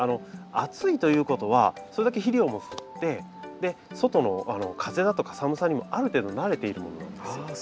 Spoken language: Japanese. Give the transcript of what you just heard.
厚いということはそれだけ肥料も吸って外の風だとか寒さにもある程度慣れているものなんですよ。